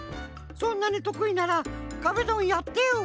そんなにとくいなら壁ドンやってよ。